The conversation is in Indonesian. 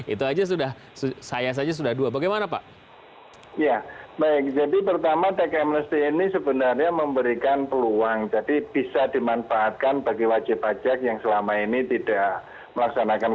itu aja sudah saya saja sudah dua bagaimana pak